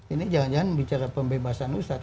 ini jangan jangan bicara pembebasan ustadz